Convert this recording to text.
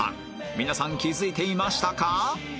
皆さん気づいていましたか？